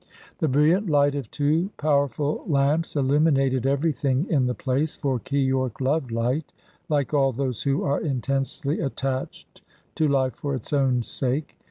The brilliant light of two powerful lamps illuminated everything in the place, for Keyork loved light, like all those who are intensely attached to life for its own sake.